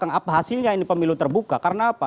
apa hasilnya ini pemilu terbuka karena apa